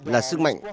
là sức mạnh